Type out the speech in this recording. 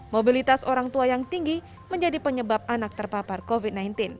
mobilitas orang tua yang tinggi menjadi penyebab anak terpapar covid sembilan belas